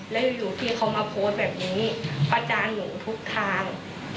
แล้วอยู่พี่เขามาโพสต์แบบนี้ประจานหนูทุกทาง